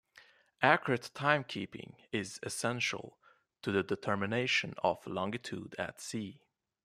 Accurate timekeeping is essential to the determination of longitude at sea.